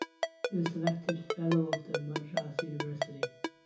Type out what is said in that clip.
He was elected Fellow of the Madras University.